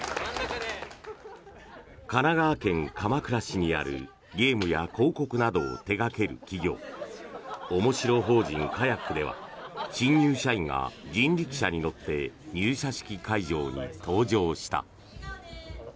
神奈川県鎌倉市にあるゲームや広告などを手掛ける企業面白法人カヤックでは新入社員が人力車に乗って入社式会場に到着した。